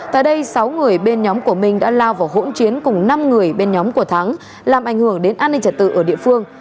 tại đây sáu người bên nhóm của minh đã lao vào hỗn chiến cùng năm người bên nhóm của thắng làm ảnh hưởng đến an ninh trật tự ở địa phương